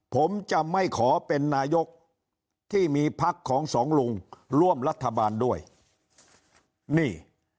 ผมจะไม่ขอเป็นนายกที่มีพักของสองลุงร่วมรัฐบาลด้วยนี่